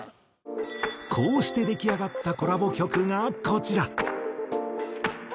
こうして出来上がったコラボ曲がこちら。